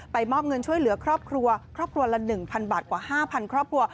ไปมอบเงินช่วยเหลือครอบครัวครอบครัวละหนึ่งพันบาทกว่าห้าพันครอบครัว